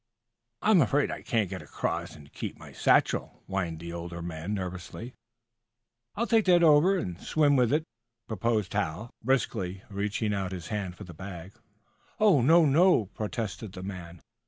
"I'm afraid I can't get across and keep my satchel," whined the older man, nervously. "I'll take that and swim over with it," proposed Hal, briskly, reaching out his hand for the bag. "Oh, no, no!" protested the man.